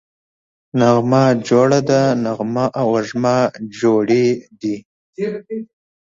نغمه جوړه ده → نغمه او وږمه جوړې دي